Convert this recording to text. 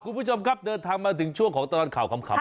คุณผู้ชมครับเดินทางมาถึงช่วงของตลอดข่าวขำ